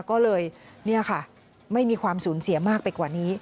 ก็เลยเนี่ยค่ะไม่มีความสูญเสียมากไปกว่านี้